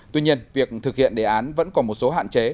tuy nhiên việc thực hiện đề án vẫn còn một số hạn chế